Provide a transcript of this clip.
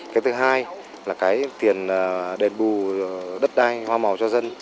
cái thứ hai là cái tiền đền bù đất đai hoa màu cho dân